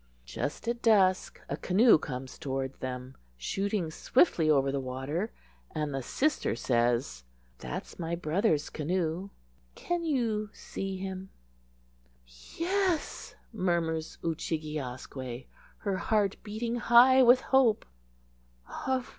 Just at dusk a canoe comes toward them, shooting swiftly over the water, and the sister says,— "That's my brother's canoe. Can you see him?" "Yes," murmurs Oo chig e asque, her heart beating high with hope.